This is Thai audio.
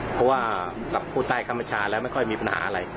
เพราะว่ากับผู้ใต้คำประชาแล้วไม่ค่อยมีปัญหาอะไร